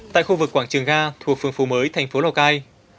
tại khu vực quảng trường ga thuộc phường phú mới thành phố lào cai